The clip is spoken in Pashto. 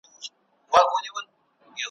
زما پیغام ته هم یو څه توجه وکړي `